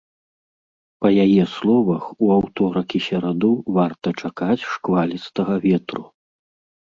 Па яе словах, у аўторак і сераду варта чакаць шквалістага ветру.